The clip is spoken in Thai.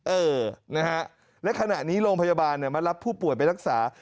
เออนะฮะและขณะนี้โรงพยาบาลมารับผู้ป่วยไปรักษา